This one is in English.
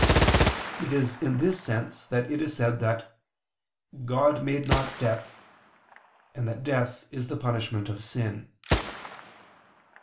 It is in this sense that it is said that "God made not death," and that death is the punishment of sin.